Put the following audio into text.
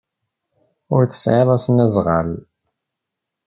Ur tesɛiḍ asnasɣal.